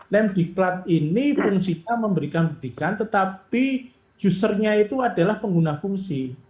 land decline ini fungsinya memberikan pemberdikan tetapi usernya itu adalah pengguna fungsi